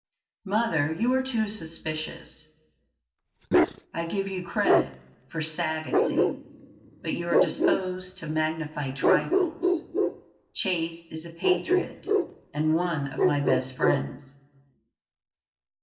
"Mother, you are too suspicious. I give you credit for sagacity, but you are disposed to magnify trifles. Chase is a patriot, and one of my best friends."